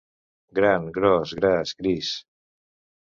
«Grand, gros, gras, gris».